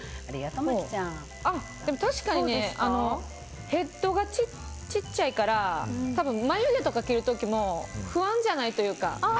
確かに、ヘッドがちっちゃいから多分、眉毛とか切る時も不安じゃないというか。